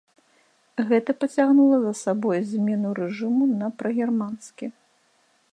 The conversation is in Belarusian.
Гэта пацягнула за сабой змену рэжыму на прагерманскі.